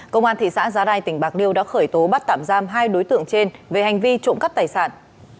công an thị xã giá rai tỉnh bạc liêu đã khởi tố bắt tạm giam hai đối tượng trên về hành vi trộm cắp tài sản